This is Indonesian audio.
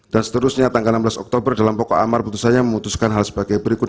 dan seterusnya tanggal enam belas oktober dalam pokok amar putusannya memutuskan hal sebagai berikut